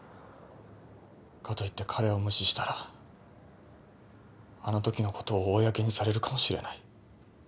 かと言って彼を無視したらあの時の事を公にされるかもしれない。